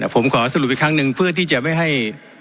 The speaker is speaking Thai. ผมขอสรุปอีกครั้งหนึ่งเพื่อที่จะไม่ให้